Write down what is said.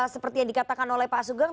seperti yang dikatakan oleh pak sugeng